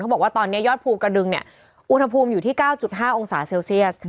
บอกว่าตอนนี้ยอดภูกระดึงเนี่ยอุณหภูมิอยู่ที่๙๕องศาเซลเซียส